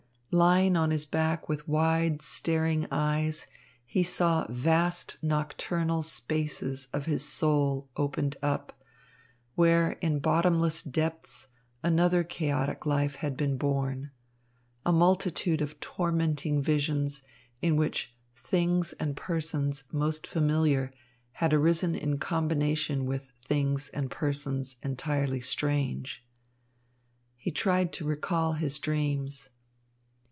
Lying on his back with wide, staring eyes, he saw vast nocturnal spaces of his soul opened up, where in bottomless depths another chaotic life had been born a multitude of tormenting visions, in which things and persons most familiar had arisen in combination with things and persons entirely strange. He tried to recall his dreams.